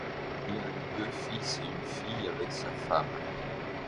Il a eu deux fils et une fille avec sa femme.